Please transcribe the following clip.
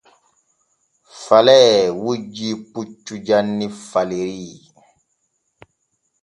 Falee wujjii puccu janni Faleri.